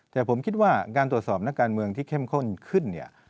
แต่ผมคิดว่าการตรวจสอบนักการเมืองที่เข้มข้นขึ้นเนี่ย